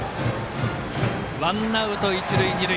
ワンアウト、一塁二塁。